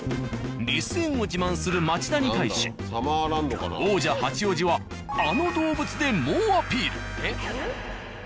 リス園を自慢する町田に対し王者八王子はあの動物で猛アピール。